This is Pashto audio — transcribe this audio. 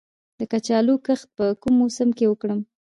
د کچالو کښت په کوم موسم کې وکړم؟